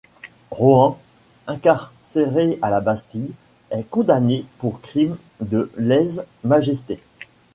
Rohan, incarcéré à la Bastille, est condamné pour crime de lèse-majesté.